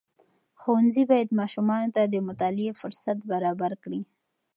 ښوونځي باید ماشومانو ته د مطالعې فرصت برابر کړي.